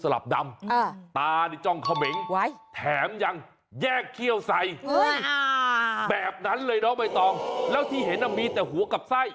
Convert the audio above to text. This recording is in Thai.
แล้วที่เห็นน่ะมีแต่หัวกับไส้